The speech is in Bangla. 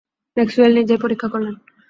ম্যাক্সওয়েল নিজেই পরীক্ষা করলেন।